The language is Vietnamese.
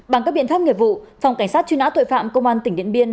bằng các biện pháp nghiệp vụ phòng cảnh sát truy nã tội phạm công an tỉnh điện biên